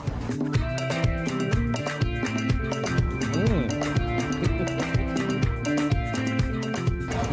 อืม